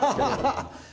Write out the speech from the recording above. ハハハハ！